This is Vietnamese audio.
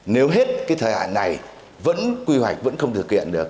nếu hết thời hạn này quy hoạch vẫn không thực hiện được